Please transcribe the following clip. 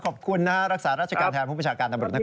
ขอบคุณนะฮะรักษาราชการแทนผู้ประชาการตำรวจนคร